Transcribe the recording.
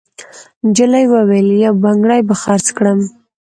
نجلۍ وویل: «یو بنګړی به خرڅ کړم.»